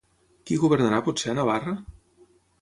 Qui governarà potser a Navarra?